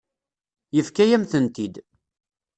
Yefka-yam-tent-id.